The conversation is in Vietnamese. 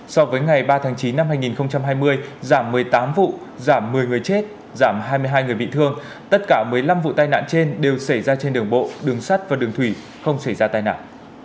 so với ngày ba tháng chín năm hai nghìn hai mươi giảm một mươi tám vụ giảm một mươi người chết giảm hai mươi hai người bị thương tất cả một mươi năm vụ tai nạn trên đều xảy ra trên đường bộ đường sắt và đường thủy không xảy ra tai nạn